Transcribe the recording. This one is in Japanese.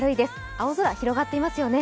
青空広がっていますよね。